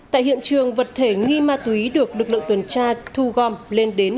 tại hiện trường vật thể nghi ma túy được lực lượng tuần tra thu gom lên đến